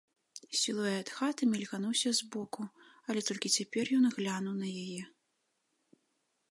Сілуэт хаты мільгануўся збоку, але толькі цяпер ён глянуў на яе.